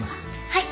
はい。